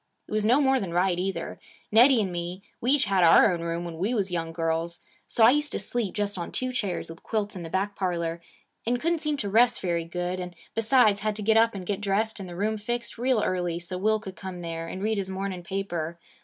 It was no more than right, either. Nettie and me, we each had our own room when we was young girls. So I used to sleep just on two chairs with quilts in the back parlor, and couldn't seem to rest very good, and, besides, had to get up and get dressed and the room fixed, real early, so Will could come there and read his morning paper.